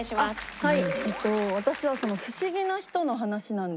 はい。